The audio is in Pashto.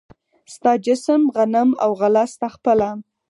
ستا جسم، غنم او غله ستا خپله